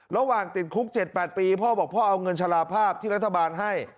ระหว่างติดคุก๗๘ปีพ่อบอกพ่อเอาเงินชะลาภาพที่รัฐบาลให้